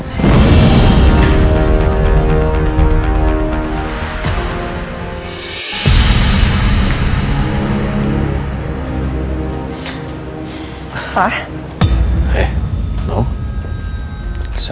tidak ada yang bisa dipercaya